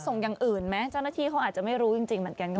ส่งอย่างอื่นไหมเจ้าหน้าที่เขาอาจจะไม่รู้จริงอย่างนี้